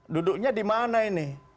duduknya di mana ini